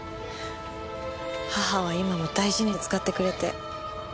母は今も大事に使ってくれて。